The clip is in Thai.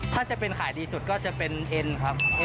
ถ้าจะเป็นขายดีสุดก็จะเป็นเอ็นครับ